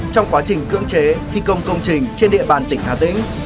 trong quá trình cưỡng chế thi công công trình trên địa bàn tỉnh hà tĩnh